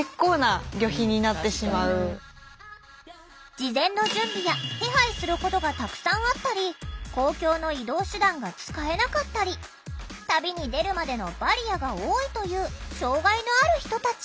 事前の準備や手配することがたくさんあったり公共の移動手段が使えなかったり旅に出るまでのバリアが多いという障害のある人たち。